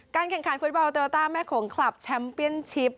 แข่งขันฟุตบอลโยต้าแม่โขงคลับแชมป์เปียนชิป